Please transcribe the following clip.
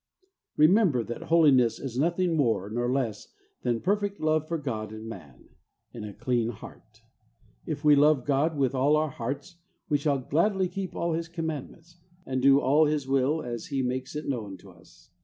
Remember that Holiness is nothing more WHY SHOULD WE BE HOLY? 1 3 nor less than perfect love for God and man, in a clean heart. If we love God with all our hearts we shall gladly keep all His commandments, and do all His will as He makes it known to us.